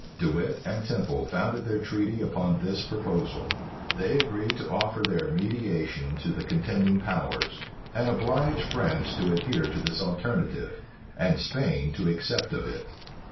De Wit and Temple founded their treaty upon this proposal. They agreed to offer their mediation to the contending powers, and oblige France to adhere to this alternative, and Spain to accept of it.